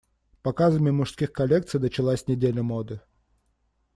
Показами мужских коллекций началась Неделя моды.